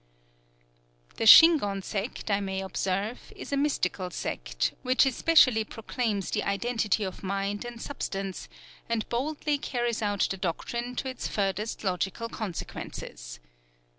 The Shingon sect, I may observe, is a mystical sect, which especially proclaims the identity of mind and substance, and boldly carries out the doctrine to its furthest logical consequences.